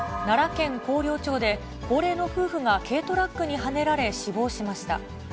奈良県広陵町で、高齢の夫婦が軽トラックにはねられ、死亡しました。